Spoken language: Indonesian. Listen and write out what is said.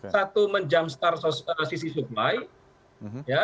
satu menjumpstart sisi supply